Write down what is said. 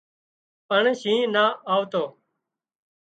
پڻ شينهن نا آوتو